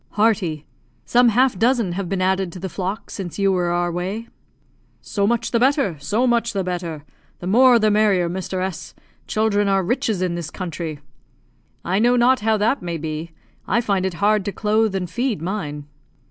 "Hearty. Some half dozen have been added to the flock since you were our way." "So much the better so much the better. The more the merrier, Mr. S ; children are riches in this country." "I know not how that may be; I find it hard to clothe and feed mine."